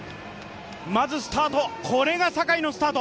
まずスタート、これが坂井のスタート。